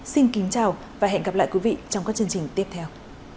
xin kính chào và hẹn gặp lại quý vị trong các chương trình tiếp theo